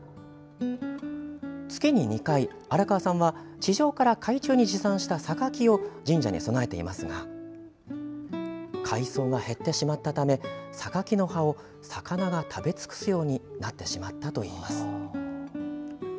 月に２回、荒川さんは地上から海中に持参したさかきを神社に供えていますが海藻が減ってしまったためさかきの葉を魚が食べ尽くすようになってしまったといいます。